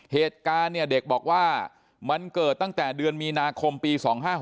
เหตุการณ์เนี่ยเด็กบอกว่ามันเกิดตั้งแต่เดือนมีนาคมปี๒๕๖๖